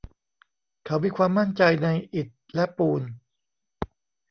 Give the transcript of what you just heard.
เขามีความมั่นใจในอิฐและปูน